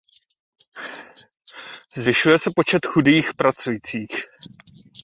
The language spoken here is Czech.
Zvyšuje se počet chudých pracujících.